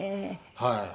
はい。